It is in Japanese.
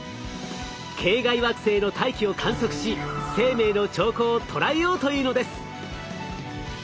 系外惑星の大気を観測し生命の兆候を捉えようというのです。